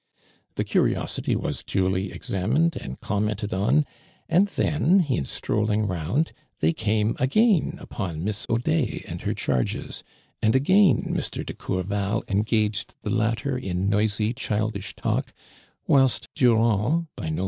The curiosity was duly examined and commented on, and then in strolling round, they came again upon Miss Audet and her charges, and again Mr. de Courval engaged the latter in noisy, childish talk, whilst Durand, by no.